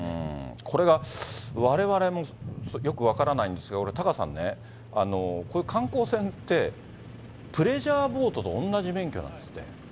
これが、われわれもよく分からないんですけど、タカさんね、こういう観光船って、プレジャーボートと同じ免許なんですって。